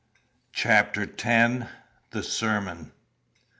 CHAPTER X. THE SERMON.